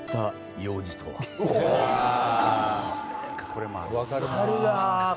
これも分かるな。